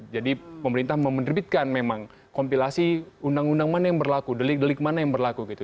jadi pemerintah memderbitkan memang kompilasi undang undang mana yang berlaku delik delik mana yang berlaku gitu